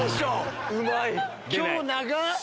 今日長っ！